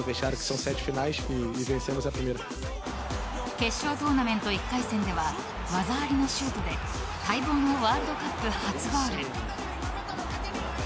決勝トーナメント１回戦では技ありのシュートで待望のワールドカップ初ゴール。